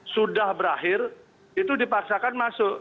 sudah berakhir itu dipaksakan masuk